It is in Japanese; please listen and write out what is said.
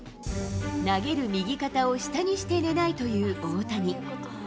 投げる右肩を下にして寝ないという大谷。